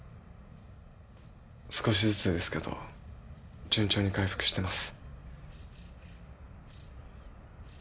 少しずつですけど順調に回復してます